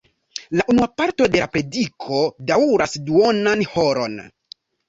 La unua parto de la prediko daŭras duonan horon.